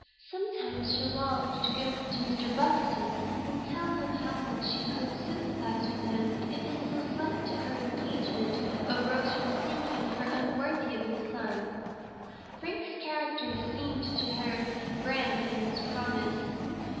She sometimes longed to go to Mr. Buxton and tell him how much she could sympathize with him, if his dislike to her engagement arose from thinking her unworthy of his son. Frank's character seemed to her grand in its promise.